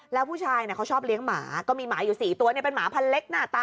แล้วผู้ชายเขาชอบเลี้ยงหมาก็มีหมาอยู่๔ตัวเป็นหมาพันเล็กหน้าตา